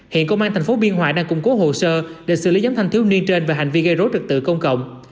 hiện công an thành phố biên hòa đang củng cố hồ sơ để xử lý giám thanh thiếu niên trên về hành vi gây rối trật tự công cộng